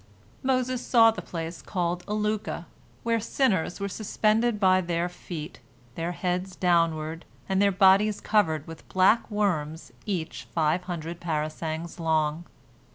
Moses saw the place called Alukah, where sinners were suspended by their feet, their heads downward, and their bodies covered with black worms, each five hundred parasangs long.